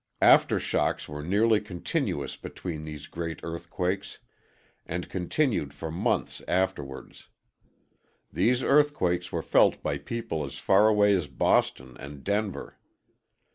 Aftershocks were nearly continuous between these great earthquakes and continued for months afterwards. These earthquakes were felt by people as far away as Boston and Denver.